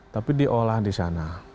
tapi diolah disana